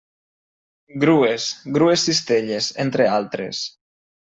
Grues, grues cistelles, entre altres.